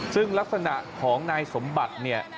ซึ่งลักษณะของนายสมบัติ